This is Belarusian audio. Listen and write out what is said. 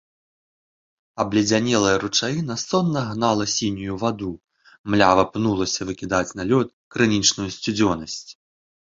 Абледзянелая ручаіна сонна гнала сінюю ваду, млява пнулася выкідаць на лёд крынічную сцюдзёнасць.